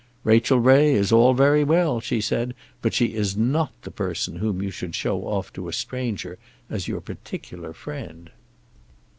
"Rachel Ray is all very well," she said, "but she is not the person whom you should show off to a stranger as your particular friend."